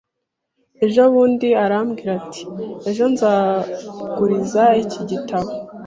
Ejo bundi arambwira ati: "Ejo nzaguriza iki gitabo."